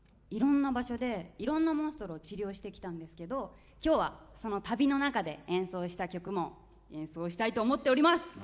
いろんな場所でいろんなモンストロを治療してきたんですけど今日はその旅の中で演奏した曲も演奏したいと思っております！